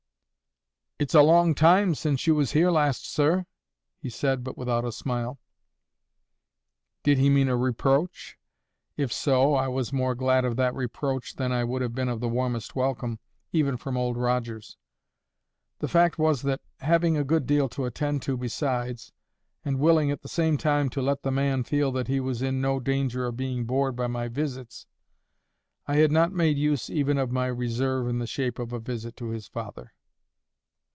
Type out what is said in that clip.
"It's a long time since you was here last, sir," he said, but without a smile. Did he mean a reproach? If so, I was more glad of that reproach than I would have been of the warmest welcome, even from Old Rogers. The fact was that, having a good deal to attend to besides, and willing at the same time to let the man feel that he was in no danger of being bored by my visits, I had not made use even of my reserve in the shape of a visit to his father.